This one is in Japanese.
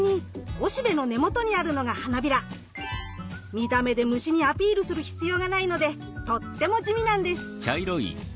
見た目で虫にアピールする必要がないのでとっても地味なんです。